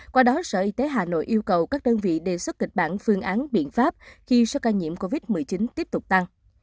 qua đó sở y tế hà nội yêu cầu các đơn vị đề xuất kịch bản phương án biện pháp khi số ca nhiễm covid một mươi chín tiếp tục tăng